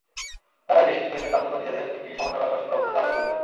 তাঁরাই বেশ কিছু ক্ষেত্রে কার্যত নিেজদের একটি সমান্তরাল শাসনব্যবস্থা চালু করেছেন।